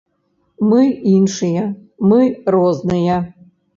Мы іншыя, мы розныя.